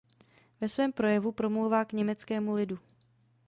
Ve svém projevu promlouvá k německému lidu.